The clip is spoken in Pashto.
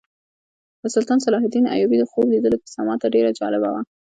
د سلطان صلاح الدین ایوبي د خوب لیدلو کیسه ماته ډېره جالبه وه.